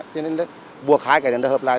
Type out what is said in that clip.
thế nên buộc hai cái này nó hợp lại